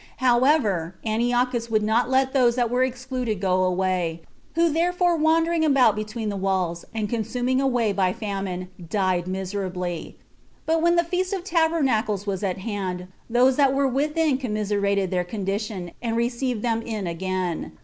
However, Antiochus would not let those that were excluded go away, who therefore wandering about between the wails, and consuming away by famine, died miserably; but when the feast of tabernacles was at hand, those that were within commiserated their condition, and received them in again.